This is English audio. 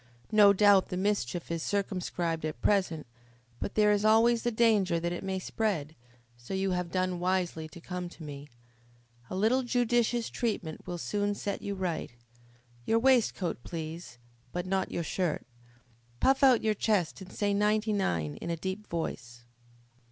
No doubt the mischief is circumscribed at present, but there is always the danger that it may spread, so you have done wisely to come to me. A little judicious treatment will soon set you right. Your waistcoat, please, but not your shirt. Puff out your chest and say ninety nine in a deep voice."